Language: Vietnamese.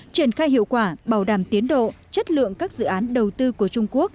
triển khai hiệu quả bảo đảm tiến độ chất lượng các dự án đầu tư của trung quốc